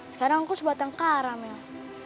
sekarang aku sebatang kara mel